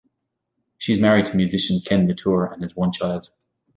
She's married to musician Ken LaTour and has one child.